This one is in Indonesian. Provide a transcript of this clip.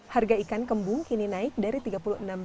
harga ikan kembung kini naik dari rp tiga puluh enam